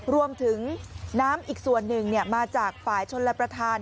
รวมถึงน้ำอีกส่วนหนึ่งมาจากฝ่ายชนรับประทาน